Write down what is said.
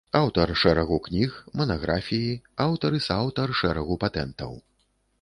Аўтар шэрагу кніг, манаграфіі, аўтар і сааўтар шэрагу патэнтаў.